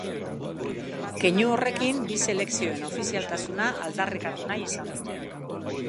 Keinu horrekin bi selekzioen ofizialtasuna aldarrikatu nahi izan dute.